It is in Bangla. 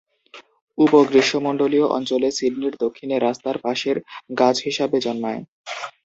উপ-গ্রীষ্মমন্ডলীয় অঞ্চলে সিডনির দক্ষিণে রাস্তার পাশের গাছ হিসাবে জন্মায়।